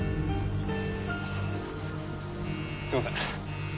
すいません。